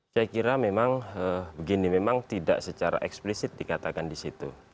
saya kira memang begini memang tidak secara eksplisit dikatakan di situ